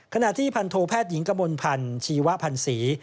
ขณะที่พันโทแพทย์หญิงกมลพันธ์ชีวพันธ์ศรี